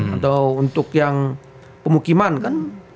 atau untuk yang pemukiman kan